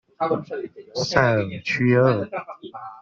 塞尔屈厄。